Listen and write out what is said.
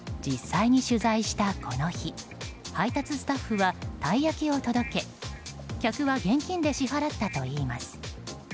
実際に取材した、この日配達スタッフはたい焼きを届け客は現金で支払ったといいます。